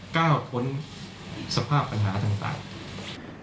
ก้าวพ้นสภาพปัญหาต่าง